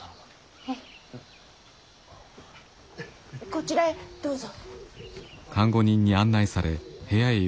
こちらへどうぞ。